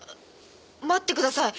待ってください！